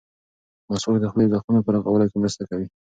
مسواک د خولې د زخمونو په رغولو کې مرسته کوي.